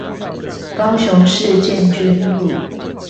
高雄市建軍路